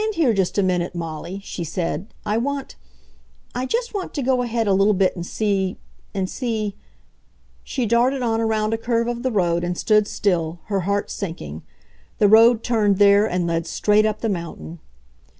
"Stand here just a minute, Molly," she said. "I want ... I just want to go ahead a little bit and see ... and see ..." She darted on around a curve of the road and stood still, her heart sinking. The road turned there and led straight up the mountain!